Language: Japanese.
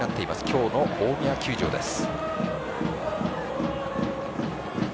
今日の大宮球場です。